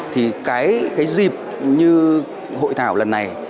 thì cái dịp như hội thảo lần thứ hai